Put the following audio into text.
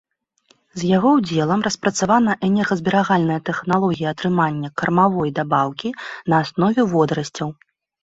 З яго ўдзелам распрацавана энергазберагальная тэхналогія атрымання кармавой дабаўкі на аснове водарасцяў.